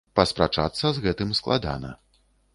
Паспрачацца з гэтым складана.